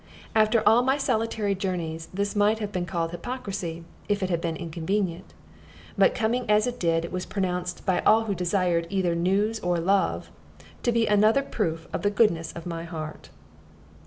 After all my solitary journeys, this might have been called hypocrisy, if it had been inconvenient; but coming as it did, it was pronounced, by all who desired either news or love, to be another proof of the goodness of my heart.